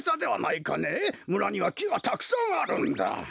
村にはきがたくさんあるんだ。